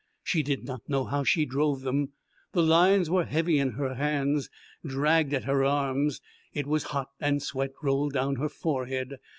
She did not know how she drove them; the lines were heavy in her hands, dragged at her arms. It was hot, and sweat rolled down her forehead.